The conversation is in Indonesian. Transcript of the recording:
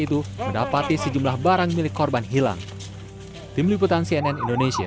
itu mendapati sejumlah barang milik korban hilang tim liputan cnn indonesia